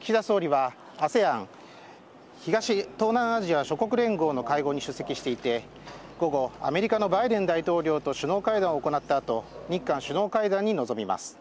岸田総理は、ＡＳＥＡＮ東南アジア諸国連合の会合に出席していて午後、アメリカのバイデン大統領と首脳会談を行った後日韓首脳会談に臨みます。